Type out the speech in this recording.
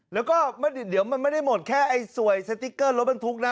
แล้วก็เดียวมันไม่ได้หมดแค่สวยสติ๊กเกอร์รบรังทุกข์นะคะ